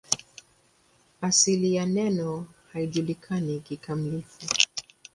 Asili ya neno haijulikani kikamilifu.